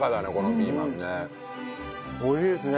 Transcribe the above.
美味しいですね。